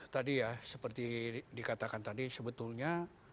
tadi ya seperti dikatakan tadi sebetulnya